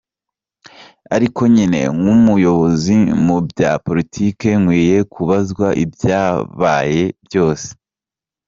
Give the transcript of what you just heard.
Ariko nyine nk’umuyobozi mu bya Politiki nkwiye kubazwa ibyabaye byose”.